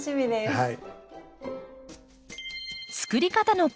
はい。